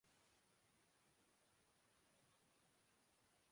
دیدہ و دل کو سنبھالو کہ سر شام فراق